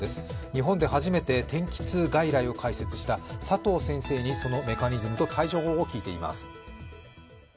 日本で初めて天気痛外来を開設した佐藤先生にそのメカニズムと対処法を聞いています。